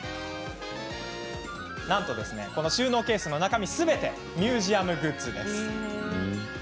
なんと、この収納ケースの中身すべてミュージアムグッズ。